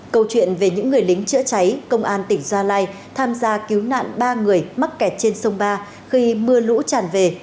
câu chuyện về những người lính chữa cháy công an tỉnh gia lai tham gia cứu nạn ba người mắc kẹt trên sông ba khi mưa lũ tràn về